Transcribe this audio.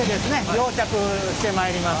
溶着してまいります。